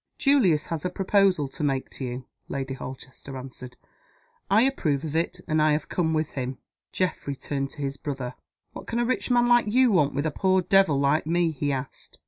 "Julius has a proposal to make to you," Lady Holchester answered. "I approve of it; and I have come with him." Geoffrey turned to his brother. "What can a rich man like you want with a poor devil like me?" he asked.